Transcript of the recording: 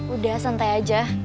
udah santai aja